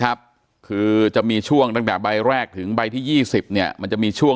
ครับคือจะมีช่วงตั้งแต่ใบแรกถึงใบที่๒๐เนี่ยมันจะมีช่วง